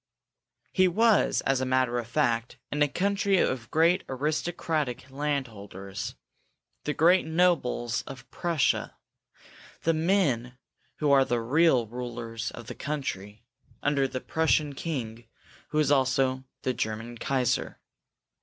He was, as a matter of fact, in a country of great aristocratic landholders, the great nobles of Prussia, the men who are the real rulers of the country, under the Prussian King, who is also the German Kaiser.